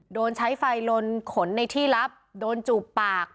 โดนใช้ไฟลนขนในที่ลับโดนจูบปาก